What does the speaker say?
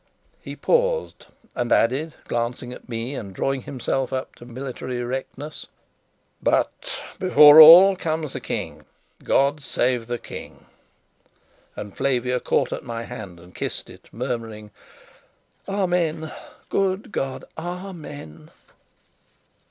He paused and added, glancing at me and drawing himself up to military erectness: "But, before all comes the King God save the King!" And Flavia caught at my hand and kissed it, murmuring: "Amen! Good God, Amen!"